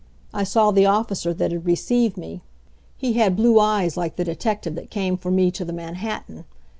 I saw the officer that'd receive me; he had blue eyes like the detective that came for me to the Manhattan.